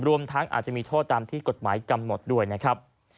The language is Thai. รวมทั้งอาจจะมีโทษตามที่กฎหมายกำหนดด้วยนะครับ